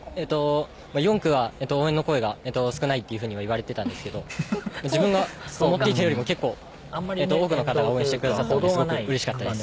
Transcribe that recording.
４区は応援の声が少ないといわれていたんですが自分が思っていたよりも結構、多くの方が応援してくださったのですごくうれしかったです。